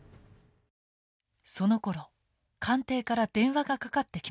そのころ官邸から電話がかかってきました。